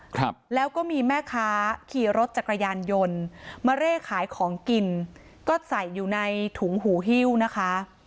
ครับแล้วก็มีแม่ค้าขี่รถจักรยานยนต์มาเร่ขายของกินก็ใส่อยู่ในถุงหูฮิ้วนะคะ